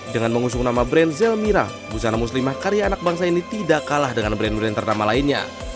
dengan mengusung nama brand zelmira busana muslimah karya anak bangsa ini tidak kalah dengan brand brand ternama lainnya